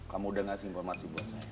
kamu udah ngasih informasi buat saya